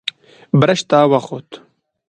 برج ته وخوت.